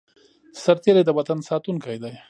سرتیری د وطن ساتونکی دی